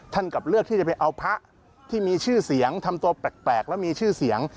กลับเลือกที่จะไปเอาพระที่มีชื่อเสียงทำตัวแปลกแล้วมีชื่อเสียง